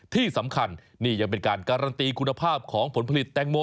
ที่สำคัญนี่ยังเป็นการการันตีคุณภาพของผลผลิตแตงโม